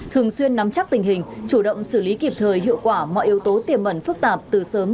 thường xuyên nắm chắc tình hình chủ động xử lý kịp thời hiệu quả mọi yếu tố tiềm mẩn phức tạp từ sớm